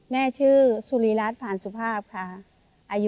แม่ชื่อสุริรัตน์ผ่านสุภาพค่ะ